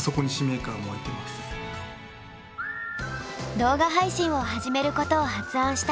動画配信を始めることを発案したのはカネさん。